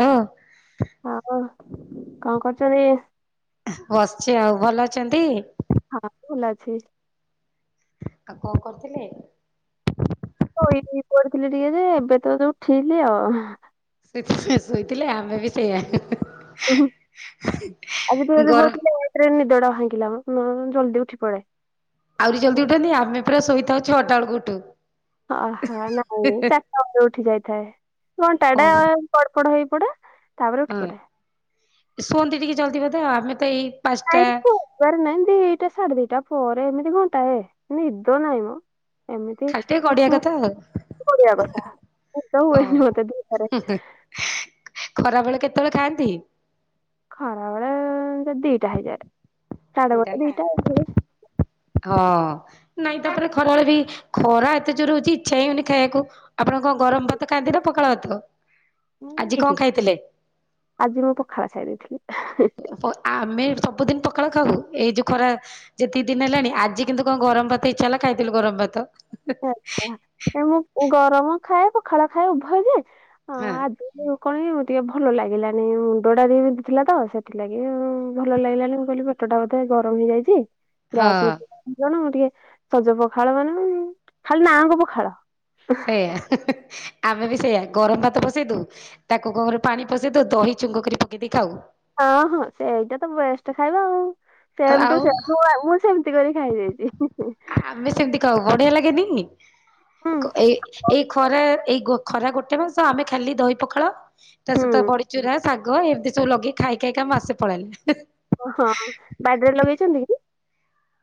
ହଁ ହଁ କଣ କରୁଛନ୍ତି? ବସିଛି ଆଉ ଭଲ ଅଛନ୍ତି। ହଁ ଭୁଲ ଅଛି। ଆଉ କଣ କରୁଥିଲେ? ସୋଇପଡ଼ିଥିଲି ଟିକେ, ଯେ ଏବେ ତ ଯୋଉ ଉଠିଲି ଆଉ। ଶୋଇଥିଲେ ଆମେ ବି ସେଇଆ। ଉହୁଁ ଆଜି ଟିକେ ଗରମ ବହୁତ ଲେଟରେ ନିଦଟା ଭାଙ୍ଗିଲା ମ, ନହେଲେ ଜଲ୍ଦି ଉଠିପଡେ। ଆହୁରି ଜଲଦି ଉଠନ୍ତି? ଆମେ ପୁରା ଶୋଇଥାଉ ଛଅଟା ବେଳୁକୁ ଉଠୁ। ଅହ ନାଇଁ ଚାରିଟା ବେଳେ ଉଠିଯାଇଥାଏ, ଘଣ୍ଟା ଟେ ଓହୋ ଗଡପଡ ହେଇପଡେ ହଁ ଶୁଅନ୍ତି ଟିକେ ଜଲଦି ବୋଧେ, ଆମେ ତ ଏଇ ନାଇଁ ପାଞ୍ଚଟା ସୋଇବାର ନାଇଁ, ଦିଟା ସାଢେ ଦିଟା ପରେ ଏମିତି ଘଣ୍ଟାଏ ନିଦ ନାହିଁ ମ। ଏମିତି ଖାଲି ଟିକେ ଗଡିଆ ମୁଁ, କଥା ଆଉ ଗଡ଼ିବା କଥା। ନିଦ ହୁଏନି ମତେ ଦିପହରେ ହଁ ଖରା ବେଳେ କେତେବେଳେ ଖାଆନ୍ତି? ଖରା ବେଳେ ଦିଟା ହେଇଯାଏ। ସାଢେ ଗୋଟେ ଦିଟା ନା ହଁ। ନାଇଁ ତାପରେ ଖରାବେଳେ ବି, ଖରା ଏତେ ଜୋର ହଉଛି ଇଚ୍ଛା ହଇଉନି ଖାଇବାକୁ। ଆପଣ କଣ, ଗରମ ଭାତ ଖାଆନ୍ତି ନା, ପଖାଳ ଭାତ? ମୁଁ ଆଜି କଣ ନେଇକି, ଖାଇଥିଲେ? ଆଜି ମୁଁ ପଖାଳ ଖାଇ ଦେଇଥିଲି। ଆମେ ସବୁଦିନ ପଖାଳ। ଖାଉ ଏଇ ଯୋଉ ଖରା, ଯେତିକି ଦିନ ହେଲାଣି ଆଜି କିନ୍ତୁ କଣ ଗରମ ଭାତ ଇଚ୍ଛା ହେଲା ଖାଇଥିଲୁ ଗରମ ଭାତ। ମୁଁ ଗରମ ଖାଏ, ପଖାଳ ଖାଏ, ଉଭୟ ଯେ ହଁ। କଣ ଟିକେ ଭଲ ଲାଗିଲାନି, ମୁଣ୍ଡଟା ଟିକେ ବିନ୍ଧୁଥିଲା ତ ସେଥିଲାଗି ଭଲ ଲାଗିଲାନି। ମୁଁ କହିଲି ପେଟଟା ବୋଧେ ଗରମ ହେଇଯାଇଛି। ଗ୍ୟାସ ହଁ ଉଠିଲାଣି, କଣ ସଜ ପଖାଳ ମାନେ, ଖାଲି ନା କୁ ପଖାଳ। ସେଇଆ ହଁ ହଁ ଆମେ ବି ସେଇଆା ଗରମ ଭାତ ପସେଇ ଦଉ ତାକୁ କଣ କରୁ ପାଣି ପସେଇ ଦଉ ଦହି ଛୁଙ୍କ କରି ପକେଇ ଦେଇ ଖାଉ। ହଁ ହଁ ସେଇଟା ତ ବେଷ୍ଟ ଖାଇବା ଆଉ ସେମ୍ ଆଉ ଟୁ ସେମ୍ ମୁଁ ଆଉ ମୁଁ ସେମ ସେମିତି କରି ଖାଇଦେଇଛି [unintelligible] ଆମେ ସେମିତି ଖାଉ ବଢ଼ିଆ ଲାଗେନି ହୁଁ ଏଇ ଏଇ ଖରା ଏଇ ଗୋ ଖରା ଗୋଟେ ମାସ ଆମେ ଖାଲି ଦହି ପଖାଳ ତା ସହିତ ହୁଁ ବଡ଼ି ଚୁରା ଶାଗ ଏମିତି ସବୁ ଲଗେଇ ଖାଇ ଖାଇକା ମାସେ ପଳେଇଲା। ବଡ଼ିରେ ଲଗେଇଛନ୍ତି କି?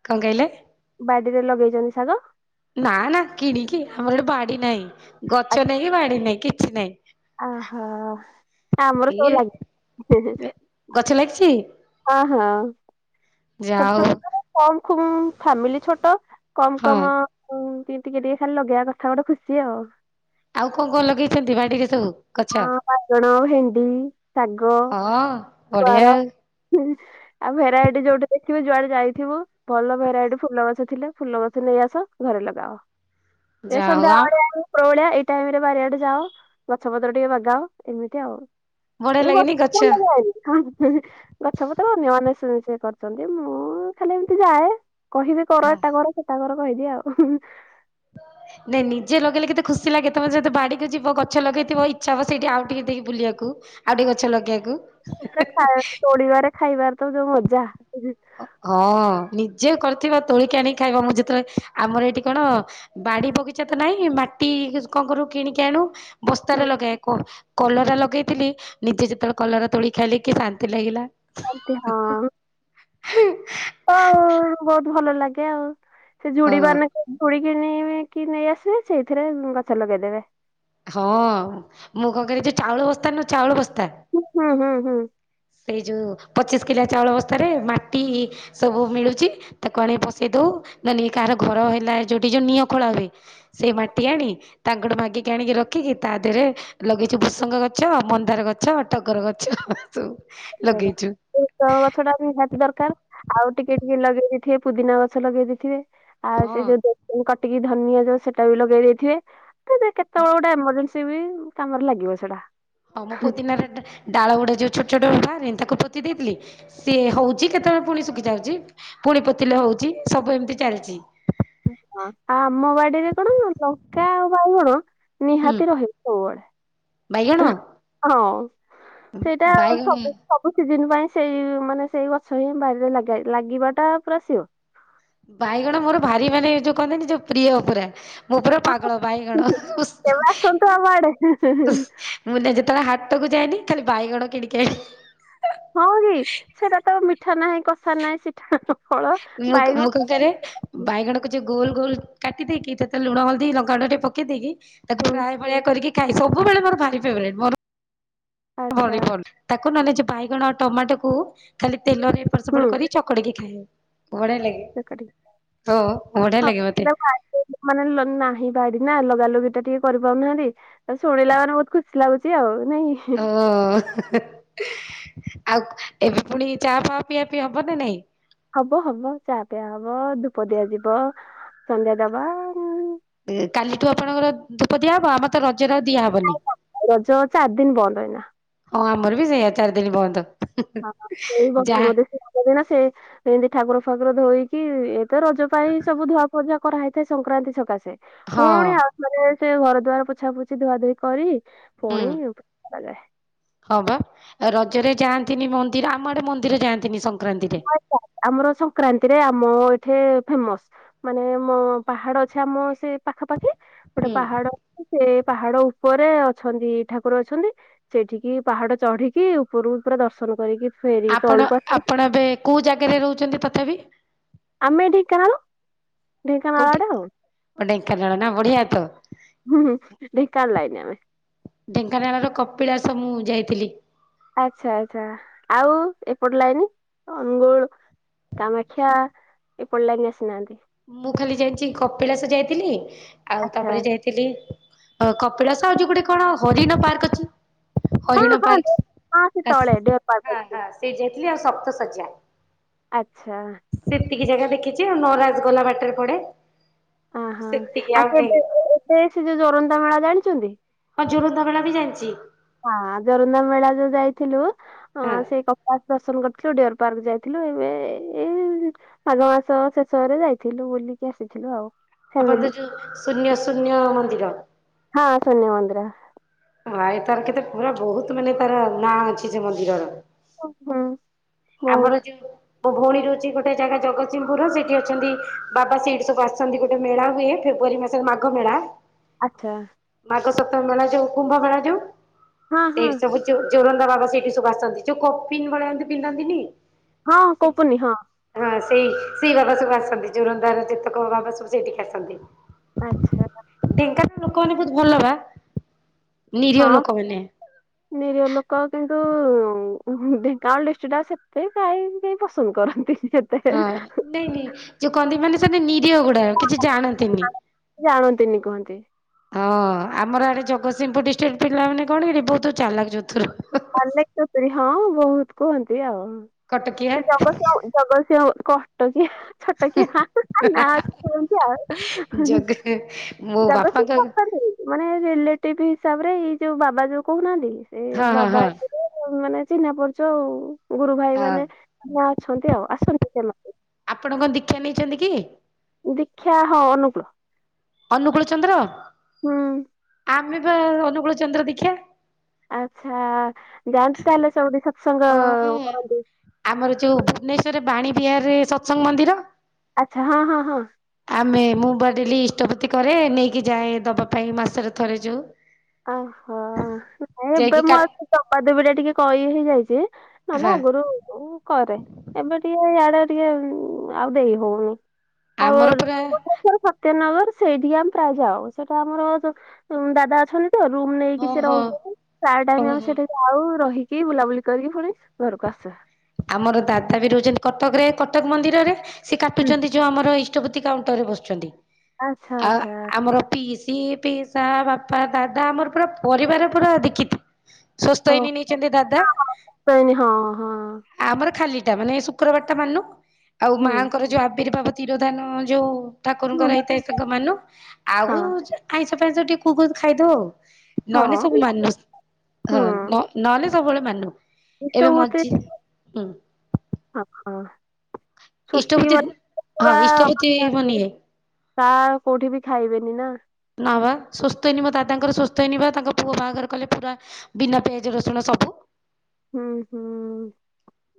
କଣ କହିଲେ? ବଡ଼ିରେ ଲଗେଇଛନ୍ତି ଶାଗ। ନାଁ ନାଁ କିଣିକି ଆମର ଗୋଟେ ବଡ଼ି ନାହିଁ ଗଛ ନାଇଁ କି ବଡ଼ି ନାହିଁ କିଛି ନାହିଁ। ଓହୋ ଆମର ସବୁ ଇଏ ଲାଗି [unintelligible] ଗଛ ଲାଗିଛି? ହଁ ହଁ। ଛୋଟ ଯାଉ ଛୋଟ କମ ଖୁବ୍ ଫ୍ୟାମିଲୀ ଛୋଟ କମ୍ କମ ହଁ। ହଁ ଟିକେ ଟିକେ ଖାଲି ଲଗେଇବା କଥା ଗୋଟେ ଖୁସି ଆଉ। ଆଉ କଣ କଣ ଲଗେଇଛନ୍ତି ବାଡ଼ି ରେ ସବୁ? ଗଛ? ହଁ ବାଇଗଣ ଭେଣ୍ଡି ଶାଗ ହଁ ବଢିଆ ଗୁଆଁର ଆଉ ଆଉ ଭେରାଇଟି ଯୋଉଠି ଦେଖିବି ଯୁଆଡ଼େ ଯାଇଥିବୁ ଭଲ ଭେରାଇଟି ଫୁଲ ଗଛ ଥିଲେ ଫୁଲ ଗଛ ନେଇ ଆସ ଘରେ ଲଗାଅ। ଏ ଯା ହଉ ଆ ସନ୍ଧ୍ୟାବେଳିଆ ଉପରବେଳିଆ ଏଇ ଟାଇମ୍ ରେ ବାରିଆଡ଼େ ଯାଉ। ଗଛ ପତ୍ର ଟିକେ ବାଗାଉ ଏମିତି ଆଉ। ବଢିଆ ଲାଗେନି ଗଛ? [unintelligible] ଗଛପତ୍ର ଅନ୍ୟମାନେ ସେ ସେ କରୁଛନ୍ତି ମୁଁ ଖାଲି ଏମିତି ଯାଏ। କହିବି କର ହଁ ଏଟା କର ସେଟା କର କହିଦିଏ ଆଉ। [unintelligible] [inaudible] ନାଇଁ ନିଜେ ଲଗେଇଲେ କେତେ ଖୁସି ଲାଗେ ନାଇଁ ନିଜେ ଲଗେଇଲେ କେତେ ଖୁସି ଲାଗେ ତମେ ଯେତ ବାଡ଼ିକୁ ଯିବ ଗଛ ଲଗେଇଥିବ ଇଚ୍ଛା ହେବ ସେଇଠି ଆଉ ଟିକେ ଟିକେ ବୁଲିଆକୁ। ଆଉ ଟିକେ ଗଛ ଲଗେଇଆକୁ। [unintelligible] ଖା ତୋଡ଼ିବାରେ ଖାଇବାର ତ ଯୋଉ ମଜା। ହଁ ନିଜେ କରିଥିବା ତୋଳିକି ଆଣିକି ଖାଇବା ମୁଁ ଯେତେବେଳେ ଆମର ଏଇଠି କଣ? ବାଡ଼ି ବଗିଚା ତ ନାହିଁ ମାଟି କଣ କରୁ କିଣିକି ଆଣୁ ହୁଁ, ବସ୍ତାରେ ଲଗାଏ କ କଲରା ଲଗେଇଥିଲି ନିଜେ ଯେତେବେଳେ କଲରା ତୋଳିକି ଖାଇଲି କି ଶାନ୍ତି ଲାଗିଲା। [unintelligible] ହଁ ତ ଆଉ ବହୁତ ଭଲ ଲାଗେ ଆଉ। ସେ ହଁ ଜୁଡ଼ି ବାନେ ଯୁଡ଼ି କିନିକି ନେଇ ଆସେ ସେଇଥିରେ ଗଛ ଲଗେଇଦେବେ। ହଁ ମୁଁ କଣ କରେ ଯୋଉ ଚାଉଳ ବସ୍ତା ନୁହଁ ଚାଉଳ ବସ୍ତା ହୁଁ ହୁଁ ହୁଁ। ସେଇ ଯୋଉ ପଚିଶ କିଲିଆ ଚାଉଳ ବସ୍ଥାରେ ମାଟି ସବୁ ମିଳୁଛି ତାକୁ ଆଣିକି ପସେଇ ଦଉ [unintelligible] କାହାର ଘର ହେଲା ଯୋଉଠି ଯୋଉ ନିଅ ଖୋଳା ହୁଏ ସେଇ ମାଟି ଆଣି ତାଙ୍କଠୁ ମାଗିକି ଆଣିକି ରଖିକି ତା ଦେହେରେ ଲଗେଇଛୁ ଭୁସଙ୍ଗ ଗଛ ମନ୍ଦାର ଗଛ ଟଗର ଗଛ ସବୁ। [unintelligible] ସେଇ ଲଗେଇଛୁ ସୋ ଗଛଟା ନିହାତି ଦରକାର ଆଉ ଟିକେ ଟିକେ ଲଗେଇ ଦେଇଥିବେ ପୁଦିନା ଗଛ ଲଗେଇ ଦେଇଥିବେ ଆଉ ହଁ ସେ ଯୋଉ କଟିକି ଧନିଆ ଯୋଉ ସେଟା ବି ଲଗେଇ ଦେଇଥିବେ। ସେମତି କେତେବେଳେ ଗୋଟେ ଏମରଜେନ୍ସି ବି କାମରେ ଲାଗିବ ସେଟା। ହଁ ମୁଁ ପୋଦନା ଡା ଡା ଡାଳ ଗୁଡ଼ା ଯୋଉ ଛୋଟ ଛୋଟ [unintelligible] ତାକୁ ପୋତି ଦେଇଥିଲି। ସିଏ ହଉଛି କେତେବେଳେ ପୁଣି ଶୁଖି ଯାଉଛି ପୁଣି ପୋତିଲେ ହୋଉଚି ସବୁ ଏମିତି ଚାଲିଚି। ଆ ଆମ ବାଡ଼ିରେ କଣ ଲଙ୍କା ଆଉ ବାଇଗଣ ହୁଁ ନିହାତି ରହିବ ସବୁବେଳେ। ବାଇଗଣ ହଁ ସେଇଟାଆଉ ବାଇଗଣ ସବୁ ସବୁ ସିଜିନ ପାଇଁ ସେଇ ମାନେ ସେଇ ଗଛ ହିଁ ବାରିରେ ଲାଗିବା ଟା ପୁରା ସିଓର। ବାଇଗଣ ମୋର ଭାରି ମାନେ ଯୋଉ କୁହନ୍ତିନି ଯୋଉ ପ୍ରିୟ ପୁରା। ମୁ। ହଁ ପୁରାପାାଗଳ ବାଇଗଣ। କେବେ ଆସନ୍ତୁ ଆମ ଆଡେ ମୁଁ ନା ଯେତେବେଳେ ହାଟକୁ ଯାଏନି ଖାଲି ବାଇଗଣ କିଣିକି ଆଣେ। ହଁ କି ସେଟା ତ ମିଠା ନାହିଁ କଷା ନାହିଁ ସେଠା ଗୋଟେ ଫଳ ମୁଁ ବାଇର ମୁଁ କଣ କରେ ବାଇଗଣକୁ ଯିଏ ଗୋଲ ଗୋଲ କାଟି ଦେଇେଇକି ଲୁଣ ହଳଦୀ ଲଙ୍କାଗୁଣ୍ଡ ଟିକେ ପକେଇ ଦେଇକି ତାକୁ ହୁଁ ଫ୍ରାଏ ସେ ଭଳିଆ କରିକି ଖାଏ ସବୁବେଳେ ମୋର ଭାରି ଫେବ୍ରାଇଟି। ଭଲ ଆଚ୍ଛା ତାକୁ ନହେଲେ ବାଇଗଣ ଆଉ ଟମାଟୋ କୁ ଖାଲି ତେଲରେ ଏପଟ ହୁଁ ସେପଟ କରି ଚକଡ଼ିକି ଖାଇବ ବଢିଆ ଲାଗେ। କାକୁଡି ହ ବଡ଼ିଆ ହଁ ଲାଗେ ମତେ। ସେଟାକୁ ମାନେ ନାହିଁ ବାଡି ନା ଲଗା ଲଗି ଟା ଟିକେ କରିପାରୁନାହାନ୍ତି। ଆଉ ଶୁଣିଲା ମାନେ ବହୁତ ଖୁସି ଲାଗୁଛି ଆଉ ନାଇଁ। ଅ ହେ ହେ। ଆଉ ଏବେ ପୁଣି ଚା ଫା ପିଆ, ପିଇ ହବ ନା ନାଇଁ। ହବ ହବ ଚାହା ପିଆ ହବ ଧୂପ ଦିଆ ଯିବ ସନ୍ଧ୍ୟା ଦବା। ଉଁ, କାଲିଠୁ ଆପଣଙ୍କର ଧୂପ ଦିଆହବ ଆମେ ତ ରଜରେ ଦିଆହବନି। ରଜ ଚାରି ଦିନ ବନ୍ଦ ଏଇନା। ହଁ ଆମର ବି ସେଇଆ ଚାରି ଦିନ ବନ୍ଦ। ହଁ ସେଇ ଯାହା ବର୍ଷ ବୋଧେ କାଇଁଗି ନା ସେ ଏମିତି ଠାକୁର ଫାକୁର ଧୋଇକି ଏତ ରଜ ପାଇ ସବୁ ଧୁଆ ମଜା କରାହେଇଥାଏ ସଂକ୍ରାନ୍ତି ସକାଶେ ହଁ ପୁଣି ଆଉ ମାନେ ସେ ଘର ଦଆାର ପୋଛାପୁଛି ଧୁଆ ଧୁୋଇ କରି ହୁଁ ଫୋଣ ଉପାଏ। [unintelligible] ହଁ ବା ରଜରେ ଯାଆନ୍ତିନି ମନ୍ଦିର ଆମ ଆଡେ ମନ୍ଦିର ଯାଆନ୍ତିନି ସଂକ୍ରାନ୍ତିରେ। ଆମର ସଂକ୍ରାନ୍ତିରେ ଆମ ଏଠି ଫେମସ। ମାନେ ମୋ ପାହାଡ ଅଛି ଆମ ସେ ପାଖାପାଖି ଗୋଟେ ହୁଁ ପାହାଡ ସେ ପାହାଡ ଉପରେ ଅଛନ୍ତି ଠାକୁର ଅଛନ୍ତି। ସେଠିକି ପାହାଡ ଚଢିକି ଉପରକୁ ପୁରା ଦର୍ଶନ କରିକି ଫେରି ଆପଣ ତଳକୁ ଆସନ୍ତି। ଆପଣ ଏବେ କୋଉ ଜାଗାରେ ରହୁଛନ୍ତି ତଥାପି। ଆମେ ଢ଼େଙ୍କାନାଳ ଢେଙ୍କାନାଳ ଆଡେ ଆଉ। କଅଁ ଢେଙ୍କାନାଳ ନା ବଢିଆ ତ। ହୁଁ ଢେଙ୍କାନାଳ ଲାଇନ ଆମେ। ଢେଙ୍କାନାଳ ର କପିଳାସ ମୁଁ ଯାଇଥିଲି। ଆଚ୍ଛା ଆଛା ଆଉ ଏପଟ ଲାଗନି ଅନୁଗୁଳ? କାମାକ୍ଷା ଏପଟ ଲାଇନ ଆସିନାହାନ୍ତି? ମୁଁ ଖାଲି ଯାଇଛି କପିଳାସ ଯାଇଥିଲି ଆଉ ଆଚ୍ଛା ତାପରେ ଯାଇଥିଲି ଥିଲିକପିଳା ଯୋଉ ଗୋଟେ କଣ ହରିଣ ପାର୍କ ଅଛି? ହଁ ହରିଣ ହଁ ଡେ- ହଁ ସେ ପାର୍କ ତଳେ ଡିଅର ପାର୍କ ଅଛି ସେ ଯାଇଥିଲି ଆଉ ସପ୍ତ ସଯ୍ୟା। ଆଚ୍ଛା।। ଏତିକି ଜାଗା ଦେଖିଛି ନରାଜଗଲା ବାଟରେ ପଡେ। ଅହୋ ସେତିକି ଆଉ ଢେ କେବେ ଏବେ ସେ ଯୋଉ ଜୋରନ୍ଦା ମେଳା ଜାଣିଚନ୍ତି? ହଁ ଯୋରନ୍ଦା ମେଳା ବି ଜାଇଛି। ହଁ ଯୋରନ୍ଦା ମେଳା ଯୋଉ ଯାଇଥିଲୁ ହଁ ସେ କ ଦର୍ଶନ କରିଥିଲୁ ଡିଅର ପାର୍କ ଯାଇଥିଲୁ ଏବେ ଏଇ ମାଘ ମାସ ଶେଷରେ ଯାଇଥିଲୁ ବୁଲିକି ଆସିଥିଲୁ ଆଉ। ଆପଣ ତ ଫ୍ୟାମିଲି ଯୋଉ ଶୂନ୍ୟ ଶୂନ୍ୟ ମନ୍ଦିର। ହଁ ଶୂନ୍ୟ ମନ୍ଦିର। ଆଁ ଏ ତାର କେତେ ପୁରା ବହୁତ ମାନେ ତାର ନାଁ ଅଛି ସେ ମନ୍ଦିରର। ଓ ହଁ। ଆମର ଯୋଉ ମୋ ଭଉଣୀ ରହୁଚି ଗୋଟେ ଜାଗା ଜଗତସିଂହପୁର ସେଇଠି ଅଛନ୍ତି ବାବା ସେଇଠି ସବୁ ଆସଚନ୍ତି ଗୋଟେ ମେଳା ହୁଏ ଫେବୃୟାରୀ ମାସ ସେ ମାଘ ମେଳା। ଆଛା। ମାଘ ସପ୍ତମୀ ମେଳା ଯୋଉ କୁମ୍ଭ ମେଳା ଯୋଉ ହଁ ହଁ ସେଇଠି ସବୁ ଯୋ ଜୋରନ୍ଦା ବାବା ସେଇଠି ସବୁ ଆସନ୍ତି ଯୋଉ କପି ଭଳିଆ ଯୋଉ ପିନ୍ଧାନ୍ତିନି। ହଁ କୋପୁନି ହଁ। ହଁ ସେଇ ସେଇ ବାବା ସବୁ ଆସନ୍ତି ଯୋରନ୍ଦାର ଯେତକ ବାବା ସବୁ ସେଇଠିକି ଆସନ୍ତି। ଆଚ୍ଛା। ଢେଙ୍କାନାଳ ଲୋକମାନୋନ ବହୁତ ଭଲ ବା ନିରୀହ ଲୋକ ମାନେ। ନିରିହ ଲୋକ କିନ୍ତୁ ଉ ମ ହୁ ଢେଙ୍କାନାଳ ଡିଷ୍ଟ୍ରିକଟା ସେତେ କାହିଁ କେହି ପସନ୍ଦ କରନ୍ତିନି। ହଁ ନାଇଁ ନାଇଁ ଯୋଉ କହନ୍ତି ମାନେ ସେମାନେ ନିରୀହ ଗୁଡା କିଛି ଜାଣନ୍ତିନି। ଜାଣନ୍ତିନି କୁହନ୍ତି। ହଁ ଆମର ଆଡେ ଜଗତସିଂହପୁର ଡିଷ୍ଟ୍ରିକ୍ଟର ପିଲାମାନେ କଣ କି ବହୁତ ଚାଲାକ ଚତୁର। ଅନେକ ଚତୁରୀ ହଁ ବହୁତ କୁହନ୍ତି ଆଉ କଟକିଆ ସେ ଜଗତସିଂହ ଜଗତସିଂହ କଷ୍ଟ କି ଛୋଟ କିଏ ନା କୁହନ୍ତି ଆଉ। ଜଗ ମୋ ବାପାଙ୍କ ଜଗତସିଂହପୁର ମାନେ ରିଲେଟିଭ ହିସାବ ରେ ଏଇ ଯୋଉ ବାବା ଯୋଉ କହୁନାହାନ୍ତି କି। ହଁ ହଁ ହଁ। ମାନେ ଚିହ୍ନା ପରିଚୟ ଆଉ ଗୁରୁ ଭାଇ ହଁ ମାନେ ମା ଅଛନ୍ତି ଆଉ ଆସନ୍ତି ସେମାନେ। ଆପଣ କଣ ଦୀକ୍ଷା ନେଇଚନ୍ତି କି? ଦୀକ୍ଷା ହଁ ଅନୁକୂଳ। ଅନୁକୂଳ ଚନ୍ଦ୍ର? ହୁଁ। ଆମେ ବା ଅନୁକୂଳ ଚନ୍ଦ୍ର ଦୀକ୍ଷା। ଆଚ୍ଛା ଯାଆନ୍ତି ତାହେଲେ ସବୁଠି ସତସଙ୍ଗ ହଁ କରନ୍ତି? ଆମର ଯୋଉଁ ଭୁବନେଶ୍ୱରରେ ବାଣୀ ବିହାରରେ ସତସଙ୍ଗ ମନ୍ଦିର? ଆଚ୍ଛା ହଁ ହଁ ହଁ। ଆମେ ମୁଁ ବା ଡେଲି ଇଷ୍ଟଭୃତି କରେ ନେଇକି ଯାଏ ଦବା ପାଇଁ ମାସରେ ଥରେ ଯୋଉ। ଓହୋ ନାଇଁ ଏବେ ଯାଇକି କା ମୁଁ ଆଉ ଦବା ଦବି ଟା ଟିକେ କହି ହେଇ ଯାଇଚି। ନହେଲେ ହଁ ଆଗରୁ ଉଁ କରେ ଏବେ ଟିକେ ଇଏଡେ ଟିକେ ଆଉ ଦେଇ ହଉନି। ଆଉ ଆମର ପୁରା ଭୁବନେଶ୍ଵର ସତ୍ ସତ୍ୟନଗର ସେଇଠି ଆମ ପ୍ରାୟ ଯାଉ ସେଇଠି ଆମର ତ ଦାଦା ଅଛନ୍ତି। ତ ରୁମ ନେଇକି ହଁ ସେ ହଁ ରହୁଛନ୍ତି ପ୍ରାୟ ହଁ ଟାଇମ୍ ଆମେ ହଁ। ସେଠି ଜାଉ ରହିକି ବୁଲାବୁଲି କରିକି ପୁଣି ଘରକୁ ଆସୁ। ଆମର ଦାଦା ବି ରହୁଚନ୍ତି କଟକରେ କଟକ ମନ୍ଦିରରେ ସେ ହୁଁ କାଟୁଚନ୍ତି ଯୋଉଁ ଆମର ଇଷ୍ଟଭୃତି କାଉଣ୍ଟର ରେ ବସୁଚନ୍ତି ଆଚ୍ଛା ଆଉ ଆଚ୍ଛା ଆମର ପିସି ପିସା ବାପା ଦାଦା ଆମର ପୁରା ପରିବାର ପୁରା ଦୀକ୍ଷିତ ସ୍ଵସ୍ତୟନୀ ନେଇଚନ୍ତି ଦାଦା। ସ୍ଵସ୍ତୟନୀ ହଁ ହଁ। ଆମର ଖାଲି ଟା ମାନେ ଶୁକ୍ରବାର ଟା ମାନୁ ଆଉ ହୁଁ ମାଆଙ୍କର ଯୋଉ ଅର୍ବିଭାବ ତିରୋଧାନ ଯୋଉ ହୁଁ। ଠାକୁରଙ୍କର ହେଇଥାଏ ତାଙ୍କୁ ମାନୁ ଆଉ ଯା ଆଇଁଷ ଫାଇଁଷ ଟିକେ କୁକୁ ଖାଇଦଉ ଆଉ ନହେଲେ ସବୁ ମାନୁସ୍। ହଁ ନ ନହେଲେ ସବୁବେଳେ ମାନୁ ଏବେ ମଝି ହୁଁ। ହ ହ ଇଷ୍ଟପତି ସ୍ଵସ୍ତିକ ହଁ ଇଷ୍ଟପତି ବନିଏ। [unintelligible] ତା କୋଉଠି ବି ଖାଇବେନି ନା। ନା ବା ସ୍ଵସ୍ତୟନୀ ମୋ ଦାଦାଙ୍କର ସ୍ଵସ୍ତୟନୀ ବା ତାଙ୍କ ପୁଅ ବାହାଘର କଲେ ପୁରା ବିନା ପିଆଜ ରସୁଣ ସବୁ। ହୁଁ ହୁଁ।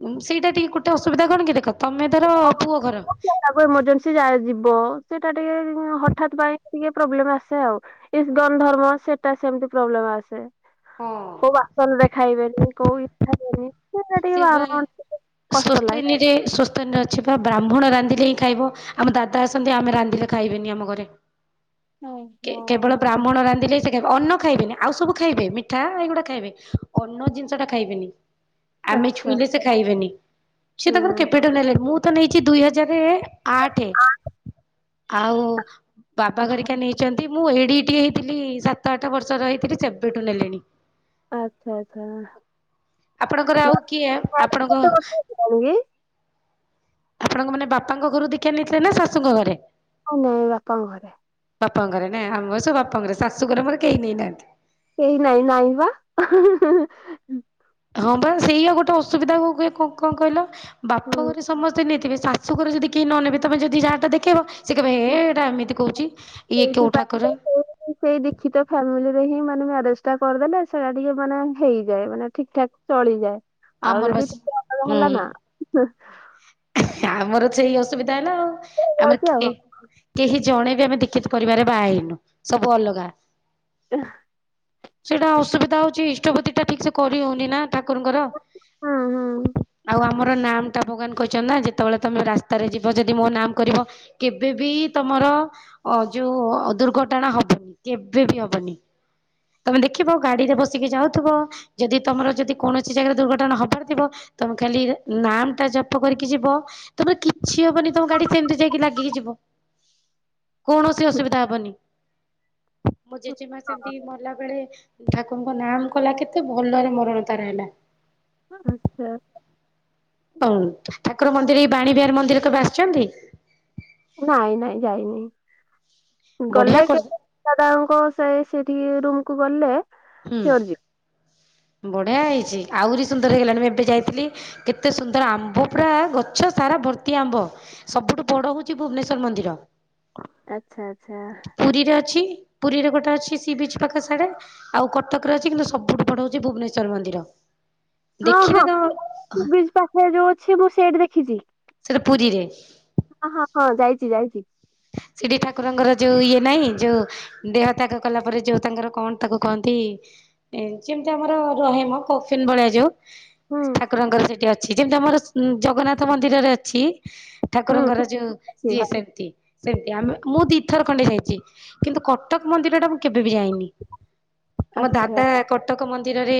ଉଁ ସେଇଟା ଟିକେ ଗୋଟେ ଅସୁବିଧା କଣ କି ଦେଖ ତମେ ଧର ପୁଅ ଘର ତାକୁ ଏର୍ମଜେନ୍ସି ଯା ଯିବ ସେଇଟା ଟିକେ ଇ ହଠାତ୍ ପାଇଁ ଟିକେ ପ୍ରୋବ୍ଲେମ ଆସେ ଆଉ। ଇସଗନ୍ ଧର୍ମ ସେଟା ସେମିତି ପ୍ରୋବ୍ଲେମ ଆସେ। ହଁ। କୋଉ ବାସନରେ ଖାଇବେନି କୋଉ ଖାଇବେନି। ସେଟା ଟିକେ ସେ ବା ବାରଣ ଟିକେ କଷ୍ଟ ଲାଗେ ସ୍ଵସ୍ତୟନୀ ରେ ସ୍ଵ ସ୍ତୟନି ରେ ଅଛି ବା ବ୍ରାହ୍ମଣ ରାନ୍ଧିଲେ ହିଁ ଖାଇବ ଆମ ଦାଦା ଆସନ୍ତି ଆମେ ରାନ୍ଧିଲେ ଖାଇବେନି ଆମ ଘରେ। କେ ଓହୋ। କେବଳ ବ୍ରାହ୍ମ ମଣ ରାନ୍ଧିଲେ ସେ ଖାଇବେ ଅନ୍ନ ଖାଇବେନି ଆଉ ସବୁ ଖାଇବେ, ମିଠା ଏଇଗୁଡା ଖାଇବେ ଅନ୍ନ ଜିନିଷଟା ଖାଇବେନି। ଆମେ ଆଚ୍ଛା ଛୁଇଁଲେ ସେ ଖାଇବେନି, ସେ ହୁଁ ତାଙ୍କର କେବେଠୁ ନେଲେଣି ମୁଁ ମୁଁ ତ ନେଇଛି ଦୁଇ ହଜାରେ ଆଠେ ଆଉ ଆଚ୍ଛା ବାବାଘରିକା ନେଇ ଚନ୍ତି ମୁଁ ଏଡିିଟିକେ ହେଇଥିଲି ସାତ ଆଠ ବର୍ଷର ହେଇଥିଲି ସେବେଠୁ ନେଲେଣି। ଆଚ୍ଛା ଆଚ୍ଛା। ଆପଣଙ୍କର ଆଉ କିଏ ଆପଣଙ୍କ [unintelligible] ଆପଣଙ୍କ ମାନେ ବାପାଙ୍କ ଘରୁ ଦୀକ୍ଷା ନେଇଥିଲେ ନା ଶାଶୁଙ୍କ ଘରେ? ନାଇଁ ନାଇଁ ବାପାଙ୍କ ଘରେ। ବାପାଙ୍କ ଘରେ ନାଁ ଆମର ସବୁ ବାପ ଘରେ ଶାଶୁଘରେ ମୋର କେହି ନେଇନାହାଁନ୍ତି କେହି ନାଇଁ ନାଇଁ ବା [unintelligible] ହଁ ବା ସେଇଆ ଗୋଟେ ଅସୁବିଧା ହୁଏ କ କ କଣ କହିଲ ବାପ ହୁଁ, ଘରେ ସ ସମସ୍ତେ ନେଇଥିବେ ଶାଶୁଘରେ ଯଦି କେହି ନନେବେ ତମେ ଯଦି ଯାହାଟା ଦେଖେଇବ ସେ କହିବେ ହୁଁ, ହେ ଏଟା ଏମିତି କହୁଛି ଇଏ କୋଉ ଠାକୁର। ସେତ ଫ୍ୟାମିଲିରେ ହିଁ ମାନେ ମ୍ୟାରେଜ ଟା କରିଦେଲେ ସେଇଟା ଟିକେ ମାନେ ହେଇଯାଏ ମାନେ ଠିକ୍ ଠାକ ଚଳିଯାଏ। ଆଉ ଆମର ଯଦି ବାସ [unintelligible] ହେଲା ହୁଁ। ନା ହଁ। ଆମର ତ ସେଇ ଅସୁବିଧା ହେଲା ଆଉ ଆମେ ଯାଉଛି ଆଉ କିଏ କେହି ଜଣେ ବି ଆମେ ଦିକ୍ଷିତ ପରିବାରରେ ବାହା ହେଇନୁ ସବୁ ଅଲଗା। [unintelligible] ସେଇଟା ଅସୁବିଧା ହଉଛି ଇଷ୍ଟପତି ଟା ଠିକ୍ ସେ କରି ହଉନି ନା ଠାକୁରଙ୍କର। ହୁଁ ହୁଁ। ଆଉ ଆମର ନାମ ଟା ଭଗବାନ କହିଛନ୍ତିନା ଯେତେବେଳେ ତମେ ରାସ୍ତାରେ ଯିବ ଯଦି ମୋ ନାମ କରିବ କେବେବି ତମର ଅ ଯୋଉ ଅ ଦୁର୍ଘଟଣା ହବନି କେବେ ବି ହବନି। ତମେ ଦେଖିବ ଗାଡି ରେ ବସିକି ଯାଉଥୁବ ଯଦି ତମର ଯଦି କୌଣସି ଜାଗାରେ ଦୁର୍ଘଟ ଟଣା ହବାର ଥିବ ତମେ ଖାଲି ନାମ ଟା ଜପ କରିକି ଯିବ। ତମର କିଛି ହବନି ତମ ଗାଡି ସେମିତି ଯାଇକି ଲାଗିକି ଯିବ। କୌଣସି ଅସୁବିଧା ହବନି ମୋ ଜେଜେମା ହଁ, ସେମିତି ମଲା ବେଳେ ଠାକୁରଙ୍କ ନାମ କଲା କେତେ ଭଲରେ ମରଣ ତାର ହେଲା। ଆଚ୍ଛା ହଁ ଠାକୁର ମନ୍ଦିର ଏଇ ବାଣୀ ବିହାର ମନ୍ଦିର କେବେ ଆସିଛନ୍ତି। ନାଇଁ ନାଇଁ ଯାଇନି ବଢିଆ ଗଲେ କରି କେବେ। ଦାଦାଙ୍କ ସେ ସେଠିକି ରୁମକୁୁ ଗଲେ। ସିଓର ଯିବି। ହୁଁ ବଢିଆ ହେଇଛି ଆହୁରି ସୁନ୍ଦର ହେଇଗଲାଣି ମୁଁ ଏବେ ଯାଇଥିଲି। କେତେ ସୁନ୍ଦର ଆମ୍ବ ପୁରା ଗଛ ସାରା ଭର୍ତ୍ତି ଆମ୍ବ। ସବୁଠୁ ବଡ ହଉଛି ଭୁବନେଶ୍ଵର ମନ୍ଦିର। ଆଚ୍ଛା ଆଚ୍ଛା ପୁରୀରେ ଅଛି ପୁରୀରେ ଗୋଟେ ଅଛି ସି ବିଚ୍ ପାଖ ସାଢ଼େ ଆଉ କଟକରେ ଅଛି କିନ୍ତୁ ସବୁଠୁ ବଡ ହଉଛି ଭୁବନେଶ୍ଵର ମନ୍ଦିର ହଁ ହଁ ଦେଖିଲେ ତ ବ୍ରିଜ ପାଖରେ ଯୋଉ ଅଛି ମୁଁ ସେଇଠି ଦେଖିଛି। ସେଇଟା ପୁରୀରେ। ହ ହଁ ହଁ ଯାଇଛି ଯାଇଛି। ସେିଠି ଠାକୁରଙ୍କର ଯୋଉ ଇଏ ନହିଁ ଯୋଉ ଦେହ ତ୍ୟାଗ କଲା ପରେ ଯୋଉ ତାଙ୍କର କଣ ତାକୁ କହନ୍ତି। ଯେମିତି ଆମର ରହେମ କଫିନ ଭଳିଆ ଯାଉ। ହୁଁ ଠାକୁରଙ୍କର ସେଠି ଅଛି ଯେମିତି ଆମର ଜଗନ୍ନାଥ ମନ୍ଦିରରେ ଅଛି। ହୁଁ। ଠାକୁରଙ୍କର ଯେଉଁ ଯିଏ ସେମିତି ସେମତି ଆମେ ମୁଁ ଦୁଇଥର ଖଣ୍ଡେ ଯାଇଛି କିନ୍ତୁ କଟକ ମନ୍ଦିର ଟା ମୁଁ କେବେ ବି ଯାଇନି। ଆମ ଦାଦା କଟକ ମନ୍ଦିରରେ